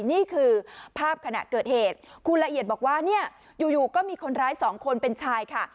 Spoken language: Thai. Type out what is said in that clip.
นี่คือภาพขณะเกิดเหตุคุณละเอียดบอกว่าเนี่ยอยู่ก็มีคนร้ายสองคนเป็นชายค่ะ